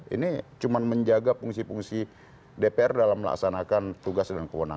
ini cuma menjaga fungsi fungsi dpr dalam melaksanakan tugas dan kewenangan